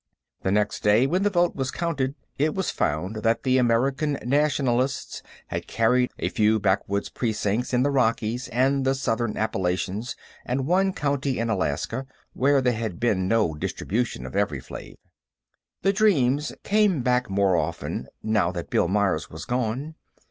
The next day, when the vote was counted, it was found that the American Nationalists had carried a few backwoods precincts in the Rockies and the Southern Appalachians and one county in Alaska, where there had been no distribution of Evri Flave. The dreams came back more often, now that Bill Myers was gone.